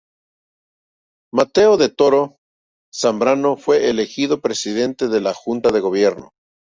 Mateo de Toro Zambrano fue elegido presidente de la Junta de Gobierno.